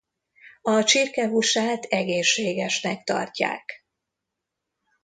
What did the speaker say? A csirke húsát egészségesnek tartják.